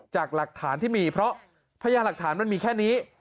จากหลักฐานที่มีเพราะพญาหลักฐานมันมีแค่นี้